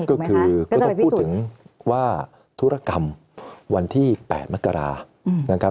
ก็คือก็ต้องพูดถึงว่าธุรกรรมวันที่๘มกรานะครับ